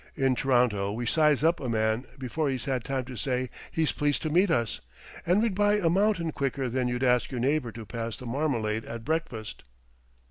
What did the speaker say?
In T'ronto we size up a man before he's had time to say he's pleased to meet us, and we'd buy a mountain quicker than you'd ask your neighbour to pass the marmalade at breakfast."